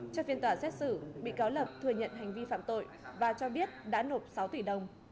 trong phiên tòa xét xử bị cáo lập thừa nhận hành vi phạm tội và cho biết đã nộp sáu tỷ đồng